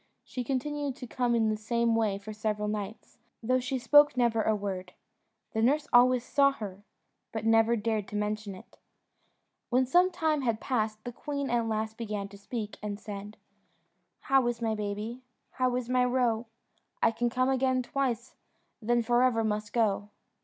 She continued to come in the same way for several nights, though she spoke never a word: the nurse always saw her, but never dared to mention it. When some time had passed, the queen at last began to speak, and said "How is my baby? How is my roe? I can come again twice, then for ever must go."